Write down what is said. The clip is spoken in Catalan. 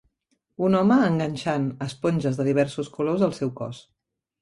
Un home enganxant esponges de diversos colors al seu cos.